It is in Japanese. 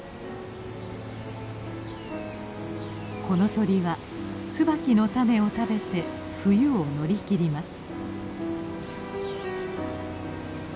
この鳥はツバキの種を食べて冬を乗り切ります。